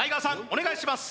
お願いします